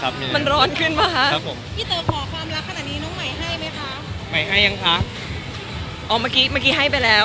อ้าวเมื่อกี้ให้ไปแล้ว